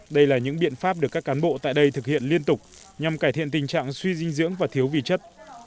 đây là những biện pháp được các cán bộ tại đây thực hiện liên tục nhằm cải thiện tình trạng suy dinh dưỡng và thiếu vị chất